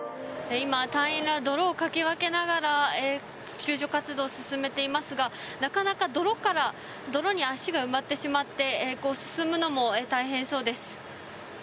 今、隊員が泥をかき分けながら救助活動を進めていますがなかなか泥に足が埋まってしまって進むのも大変そうです。